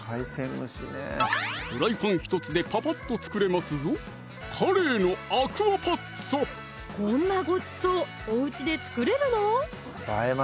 フライパン１つでぱぱっと作れますぞこんなごちそうおうちで作れるの？